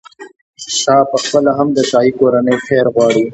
شاه پخپله هم د شاهي کورنۍ خیر غواړي.